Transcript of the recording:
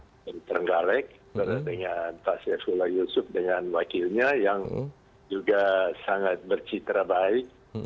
dan yang tergalek dengan pak saifula yusuf dengan wakilnya yang juga sangat bercita baik